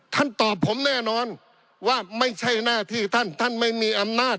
ท่านตอบผมแน่นอนว่าไม่ใช่หน้าที่ท่าน